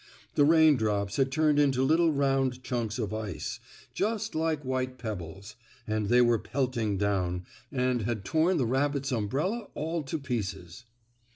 The rain drops had turned into little round chunks of ice, just like white pebbles, and they were pelting down, and had torn the rabbit's umbrella all to pieces.